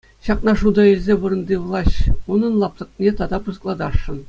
Ҫакна шута илсе вырӑнти влаҫ унӑн лаптӑкне тата пысӑклатасшӑн.